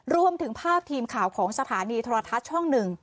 รวมถึงภาพทีมข่าวของสถานีโทรทัศน์ช่อง๑